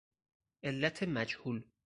علت مجهول